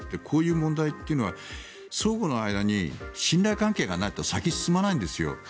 こういう問題というのは相互の間に信頼関係がないと先に進まないんですよ。